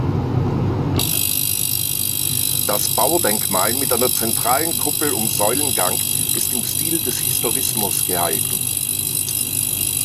Das Baudenkmal mit einer zentralen Kuppel und Säulengang ist im Stil des Historismus gehalten.